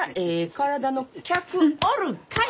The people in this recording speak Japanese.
体の客おるかい！